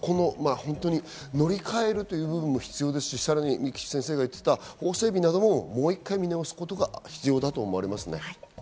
乗り換えるという部分も必要ですし、菊地先生が言っていた法整備なども、もう１回見直すことが必要だと思われますね。